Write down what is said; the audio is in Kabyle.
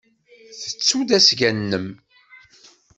Tettud-d asga-nnem.